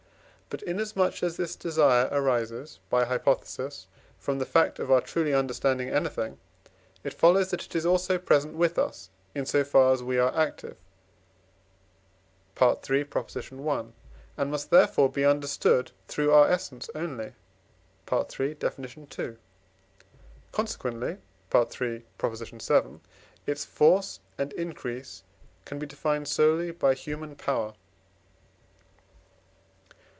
But, inasmuch as this desire arises (by hypothesis) from the fact of our truly understanding anything, it follows that it is also present with us, in so far as we are active (III. i.), and must therefore be understood through our essence only (III. Def. ii.); consequently (III. vii.) its force and increase can be defined solely by human power.